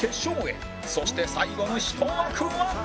そして最後の１枠は